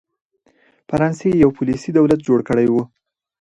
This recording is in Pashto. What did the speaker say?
فرانسس یو پولیسي دولت جوړ کړی و.